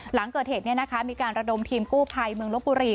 หลังเกิดเหตุมีการระดมทีมกู้ภัยเมืองลบบุรี